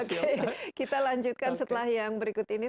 oke kita lanjutkan setelah yang berikut ini